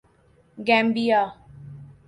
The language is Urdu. گیمبیا